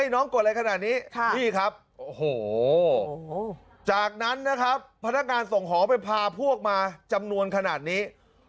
เนาะน้องกดอะไรขนาดนี้